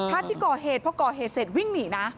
ที่ก่อเหตุพอก่อเหตุเสร็จวิ่งหนีนะ